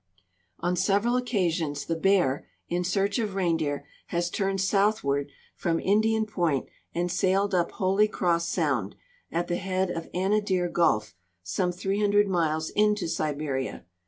On several occasions the Bear, in search of reindeer, has turned southward from Indian point and sailed up Holy Cross sound, at the head of Anadir gulf, some 300 miles into Siberia.